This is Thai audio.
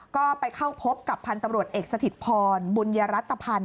ก็ไปเข้าพบกับพันธุ์ตำรวจเอกสถิตพรบุญยรัตภัณฑ์